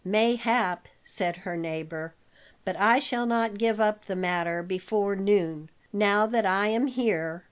"Mayhap," said her neighbor, "but I shall not give up the matter before noon, now that I am here.